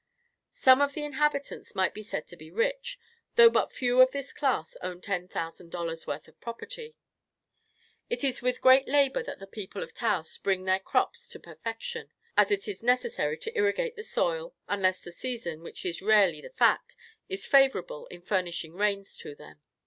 Some of the inhabitants might be said to be rich, though but few of this class own ten thousand dollars' worth of property. It is with great labor that the people of Taos bring their crops to perfection, as it is necessary to irrigate the soil, unless the season, which is rarely the fact, is favorable in furnishing rains to them.